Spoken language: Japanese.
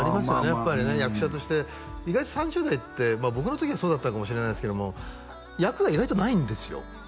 やっぱりね役者として意外と３０代って僕の時がそうだったのかもしれないですけども役が意外とないんですよ